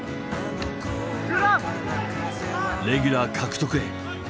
レギュラー獲得へ。